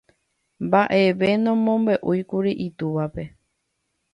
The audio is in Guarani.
Mbaʼevete nomombeʼúikuri itúvape.